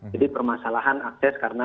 jadi permasalahan akses karena